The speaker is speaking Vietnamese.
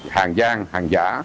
hàng gian hàng giả